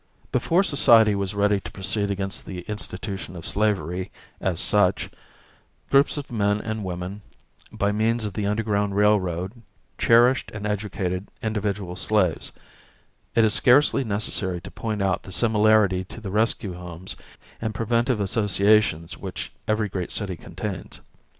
Before society was ready to proceed against the institution of slavery as such, groups of men and women by means of the underground railroad cherished and educated individual slaves; it is scarcely necessary to point out the similarity to the rescue homes and preventive associations which every great city contains.